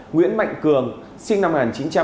nguyễn mạnh cường sinh năm một nghìn chín trăm tám mươi một